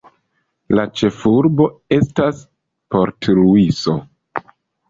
La ĉefurbo estas Port-Luiso.